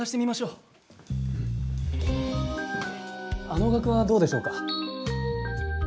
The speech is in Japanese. あのがくはどうでしょうか？